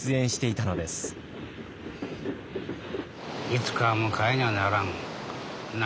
いつかは迎えにゃならん。